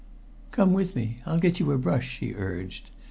"Come with me, and I'll get you a brush," she urged.